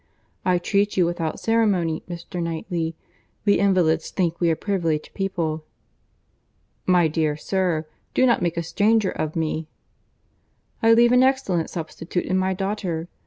I treat you without ceremony, Mr. Knightley. We invalids think we are privileged people." "My dear sir, do not make a stranger of me." "I leave an excellent substitute in my daughter.